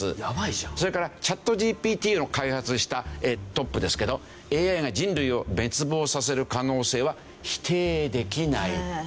それからチャットＧＰＴを開発したトップですけどＡＩが人類を滅亡させる可能性は否定できない。